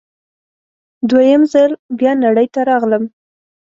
دوه یم ځل بیا نړۍ ته راغلم